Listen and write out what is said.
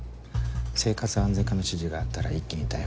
生活安全課の指示があったら一気に逮捕。